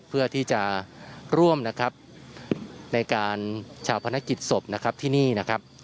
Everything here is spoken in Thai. เพื่อที่จะร่วมนะครับในการชาวพนักกิจศพนะครับที่นี่นะครับ